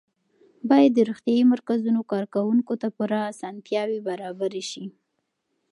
باید د روغتیایي مرکزونو کارکوونکو ته پوره اسانتیاوې برابرې شي.